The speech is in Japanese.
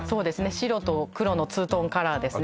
白と黒のツートーンカラーですね